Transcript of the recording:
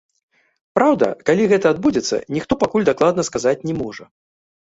Праўда, калі гэта адбудзецца, ніхто пакуль дакладна сказаць не можа.